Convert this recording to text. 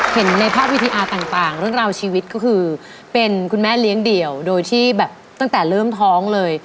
เห็นในภาพวิธีอาร์ต่างเรื่องราวชีวิตก็คือเป็นคุณแม่เลี้ยงเดี่ยวโดยที่แบบตั้งแต่เริ่มท้องเลย